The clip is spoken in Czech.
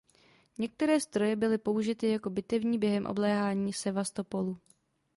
Některé stroje byly použity jako bitevní během obléhání Sevastopolu.